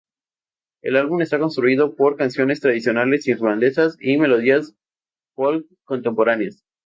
El álbum está constituido por canciones tradicionales irlandesas y melodías folk contemporáneas.